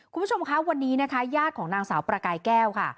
คุณผู้ชมคะวันนี้นะคะญาติของนางสาวประกายแก้วค่ะ